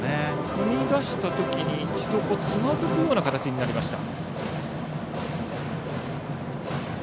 踏み出したとき一度つまずく形になりました。